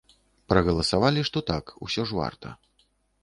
Прагаласавалі, што так, усё ж варта.